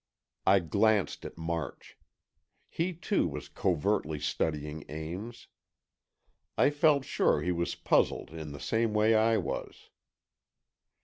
I glanced at March. He too, was covertly studying Ames. I felt sure he was puzzled in the same way I was.